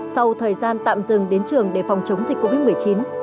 sau thời gian tạm dừng đến trường để phòng chống dịch covid một mươi chín